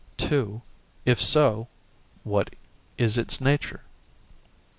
(2) If so, what is its nature?